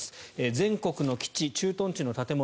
全国の基地・駐屯地の建物